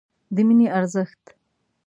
د مینې ارزښت